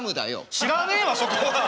知らねえわそこは。